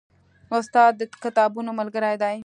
استاد د کتابونو ملګری دی.